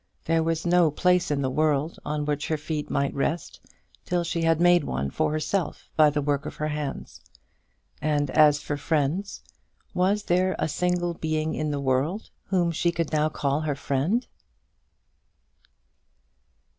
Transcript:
There was no place in the world on which her feet might rest till she had made one for herself by the work of her hands. And as for friends was there a single being in the world whom she could now call her friend?